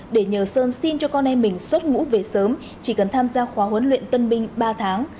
để nhờ sơn xin cho con em mình xuất ngũ về sớm chỉ cần tham gia khóa huấn luyện tân binh ba tháng